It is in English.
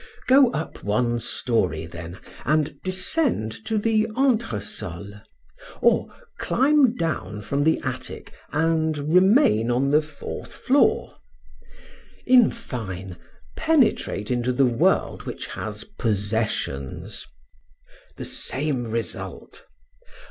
Go up one story, then, and descend to the entresol: or climb down from the attic and remain on the fourth floor; in fine, penetrate into the world which has possessions: the same result!